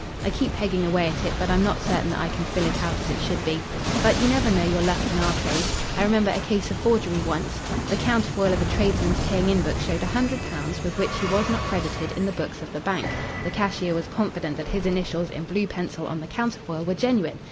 I keep pegging away at it, but I'm not certain that I can fill it out as it should be. But you never know your luck in our trade. I remember a case of forgery once. The counterfoil of a tradesman's paying in book showed £100 with which he was not credited in the books of the bank. The cashier was confident that his initials in blue pencil on the counterfoil were genuine.